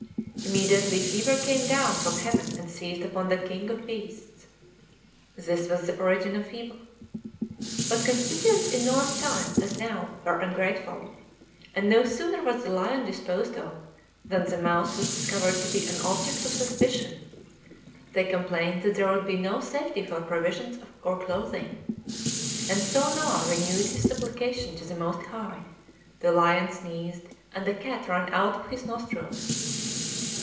Immediately fever came down from heaven and seized upon the king of beasts." This was the origin of fever. But constituents in Noah's time, as now, were ungrateful; and no sooner was the lion disposed of, than the mouse was discovered to be an object of suspicion. They complained that there would be no safety for provisions or clothing. "And so Noah renewed his supplication to the Most High, the lion sneezed, and a cat ran out of his nostrils.